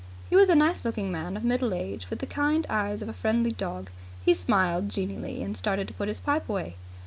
He was a nice looking man of middle age, with the kind eyes of a friendly dog. He smiled genially, and started to put his pipe away.